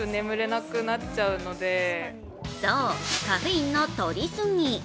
そう、カフェインのとりすぎ。